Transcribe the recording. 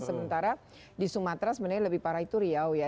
sementara di sumatera sebenarnya lebih parah itu riau ya